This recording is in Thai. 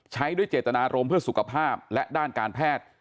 ใช้ด้วยเจตนารมณ์เพื่อสุขภาพและด้านการแพทย์